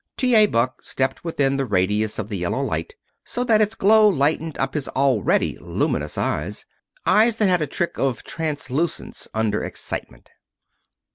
T. A. Buck stepped within the radius of the yellow light, so that its glow lighted up his already luminous eyes eyes that had a trick of translucence under excitement.